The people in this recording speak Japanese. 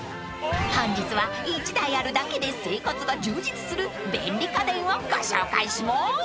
［本日は１台あるだけで生活が充実する便利家電をご紹介します］